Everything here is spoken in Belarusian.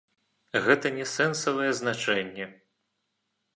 Гэта не сэнсавае значэнне.